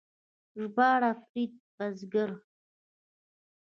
ژباړه فرید بزګر